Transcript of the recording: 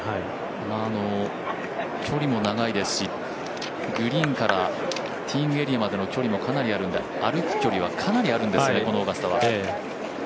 距離も長いですし、グリーンからティーイングエリアまでもかなりあるので、歩く距離がかなりあるんですねオーガスタは。